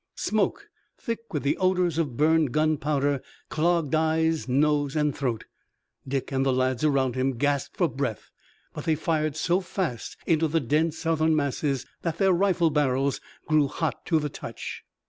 Smoke, thick with the odors of burned gunpowder clogged eye, nose and throat. Dick and the lads around him gasped for breath, but they fired so fast into the dense Southern masses that their rifle barrels grew hot to the touch.